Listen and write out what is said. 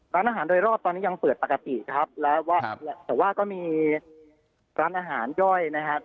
ร้านอาหารโดยรอบตอนนี้ยังเปิดปกติครับแล้วว่าแต่ว่าก็มีร้านอาหารย่อยนะครับ